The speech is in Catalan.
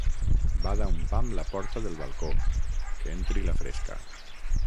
Bada un pam la porta del balcó, que entri la fresca.